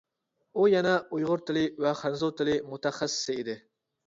ئۇ يەنە ئۇيغۇر تىلى ۋە خەنزۇ تىلى مۇتەخەسسىسى ئىدى.